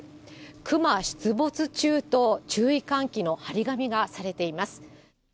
クマ出没中と、注意喚起の貼り紙がされています。